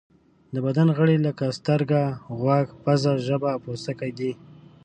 د بدن غړي لکه سترګه، غوږ، پزه، ژبه او پوستکی دي.